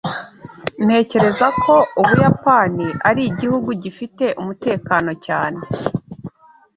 Ntekereza ko Ubuyapani ari igihugu gifite umutekano cyane.